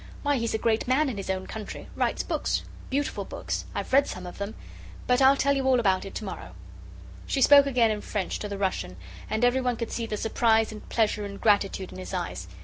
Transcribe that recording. Why, he's a great man in his own country, writes books beautiful books I've read some of them; but I'll tell you all about it to morrow." She spoke again in French to the Russian, and everyone could see the surprise and pleasure and gratitude in his eyes.